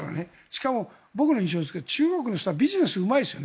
しかも僕の印象ですけど中国の人はビジネスがうまい。